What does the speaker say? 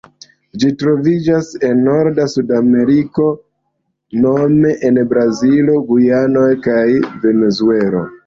Ĝi troviĝas en norda Sudameriko nome en Brazilo, Gujanoj kaj Venezuelo.